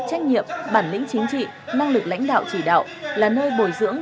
trách nhiệm bản lĩnh chính trị năng lực lãnh đạo chỉ đạo là nơi bồi dưỡng